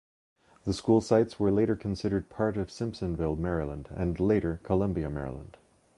The school sites were later considered part of Simpsonville, Maryland, and later Columbia, Maryland.